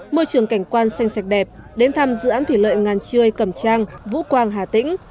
môi trường cảnh quan xanh sạch đẹp đến thăm dự án thủy lợi ngàn chươi cầm trang vũ quang hà tĩnh